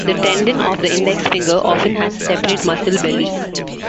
The tendon of the index finger often has a separate muscle belly.